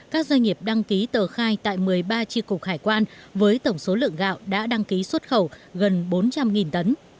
các doanh nghiệp đăng ký tờ khai tại một mươi ba tri cục hải quan với tổng số lượng gạo đã đăng ký xuất khẩu gần bốn trăm linh tấn